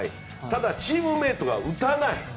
ただチームメートが打たない。